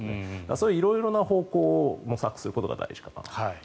そういう色々な方向を模索することが大事だと。